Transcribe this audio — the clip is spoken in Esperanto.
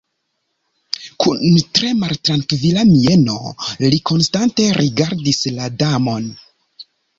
Kun tre maltrankvila mieno li konstante rigardis la Damon.